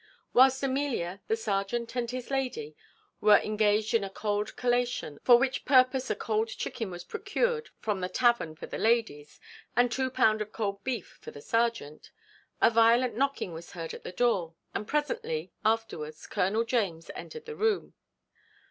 Whilst Amelia, the serjeant, and his lady, were engaged in a cold collation, for which purpose a cold chicken was procured from the tavern for the ladies, and two pound of cold beef for the serjeant, a violent knocking was heard at the door, and presently afterwards Colonel James entered the room.